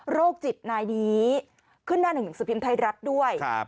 โรคจิตนายดีขึ้นหน้าหนึ่งถึงสภิมธ์ไทยรัฐด้วย